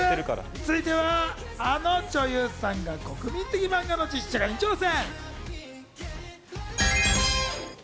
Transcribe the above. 続いてはあの女優さんが国民的漫画の実写化に挑戦。